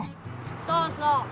そうそう。